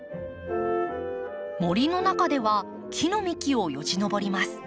森の中では木の幹をよじのぼります。